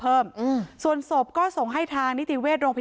ไปโบกรถจักรยานยนต์ของชาวอายุขวบกว่าเองนะคะ